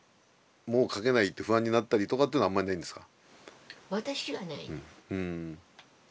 もう書けないって不安になったりとかっていうのはあまりないんですか？